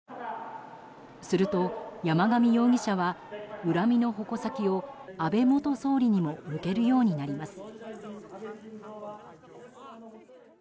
すると、山上容疑者は恨みの矛先を安倍元総理にも向けるようになります。